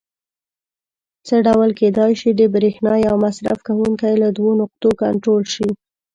څه ډول کېدای شي د برېښنا یو مصرف کوونکی له دوو نقطو کنټرول شي؟